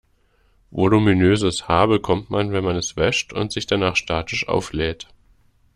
Voluminöses Haar bekommt man, wenn man es wäscht und sich danach statisch auflädt.